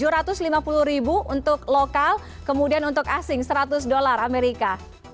rp tujuh ratus lima puluh untuk lokal kemudian untuk asing rp seratus amerika